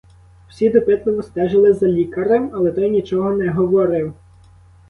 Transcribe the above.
Всі допитливо стежили за лікарем, але той нічого не говорив.